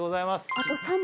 あと３問？